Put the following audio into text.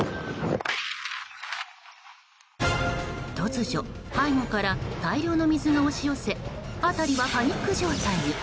突如、背後から大量の水が押し寄せ辺りはパニック状態に。